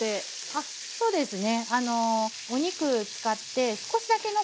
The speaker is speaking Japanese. ああそうですか！